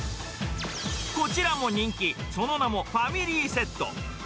こちらも人気、その名もファミリーセット。